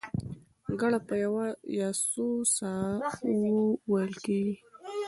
ګړه په یوه یا څو ساه وو وېل کېږي.